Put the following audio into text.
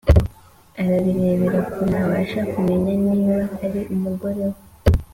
arabirebera kure ntabasha kumenya niba ari umugorewe